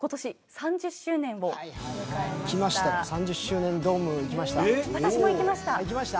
３０周年ドーム行きました。